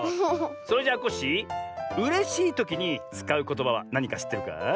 それじゃコッシーうれしいときにつかうことばはなにかしってるか？